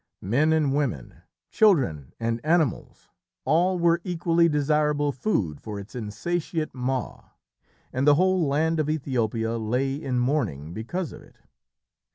Men and women, children and animals, all were equally desirable food for its insatiate maw, and the whole land of Ethiopia lay in mourning because of it.